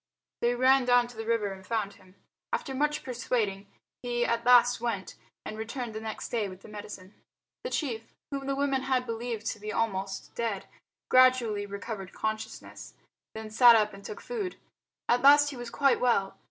They ran down to the river and found him. After much persuading he at last went, and returned next day with the medicine. The chief, whom the women had believed to be almost dead, gradually recovered consciousness, then sat up and took food. At last he was quite well.